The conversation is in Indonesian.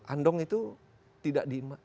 andong itu tidak